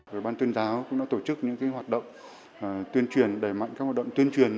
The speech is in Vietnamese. ủy ban tuyên giáo cũng đã tổ chức những hoạt động tuyên truyền đẩy mạnh các hoạt động tuyên truyền